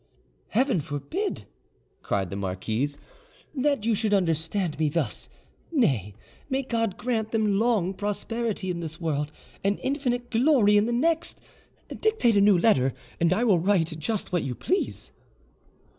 "Heaven forbid," cried the marquise, "that you should understand me thus! Nay, may God grant them long prosperity in this world and infinite glory in the next! Dictate a new letter, and I will write just what you please."